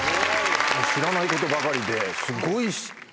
知らないことばかりですごい。